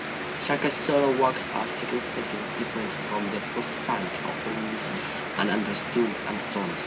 Sharkey's solo work was significantly different from the post-punk offerings of The Undertones.